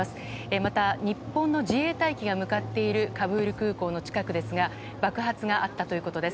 また、日本の自衛隊機が向かってるカブール空港の近くですが爆発があったということです。